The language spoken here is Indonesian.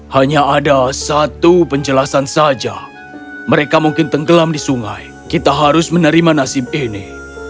hanya ada satu penjelasan saja mereka mungkin tenggelam di sungai kita harus menerima nasib ini